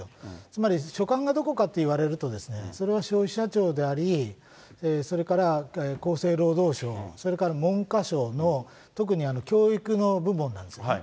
つまり、所管がどこかっていわれると、それは消費者庁であり、それから厚生労働省、それから文科省の特に教育の部門なんですね。